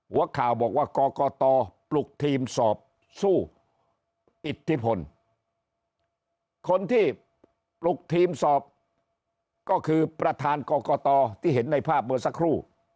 หัวข่าวบอกว่ากรกตปลุกทีมสอบสู้อิทธิพลคนที่ปลุกทีมสอบก็คือประธานกรกตที่เห็นในภาพเมื่อสักครู่